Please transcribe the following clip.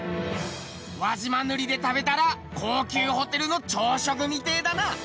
輪島塗で食べたら高級ホテルの朝食みてえだな！